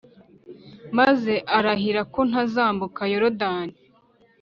maze arahira ko ntazambuka Yorodani